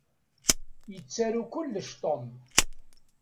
Yettaru kullec Tom.